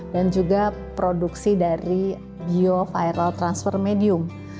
dan juga produksi dari bioviral transfer medium